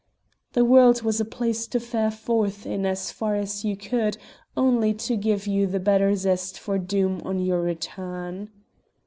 The world was a place to fare forth in as far as you could, only to give you the better zest for Doom on your return.